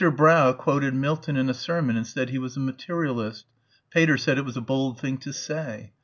Brough quoted Milton in a sermon and said he was a materialist.... Pater said it was a bold thing to say....